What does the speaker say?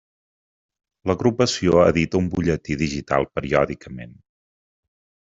L'Agrupació edita un butlletí digital periòdicament.